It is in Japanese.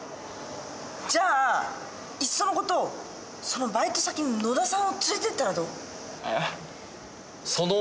じゃあいっそのことそのバイト先に野田さんを連れてったらどう？